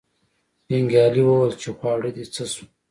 جنګیالي وویل چې خواړه دې څه شو.